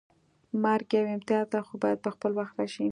مرګ یو امتیاز دی خو باید په خپل وخت راشي